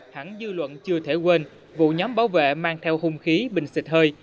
hẳn dư luận chưa thể quên vụ nhóm bảo vệ mang theo hung khí bình xịt hơi